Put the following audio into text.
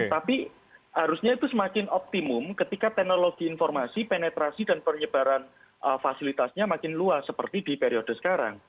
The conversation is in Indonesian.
tapi harusnya itu semakin optimum ketika teknologi informasi penetrasi dan penyebaran fasilitasnya makin luas seperti di periode sekarang